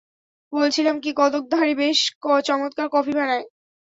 বলছিলাম কি, কদক ধারি বেশ চমৎকার কফি বানায়।